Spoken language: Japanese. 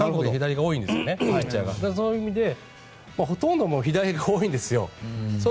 そういう意味でほとんど左が多いんですよ。